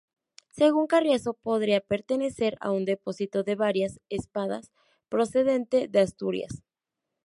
Según Carriazo podría pertenecer a un depósito de varias espadas procedente de Asturias.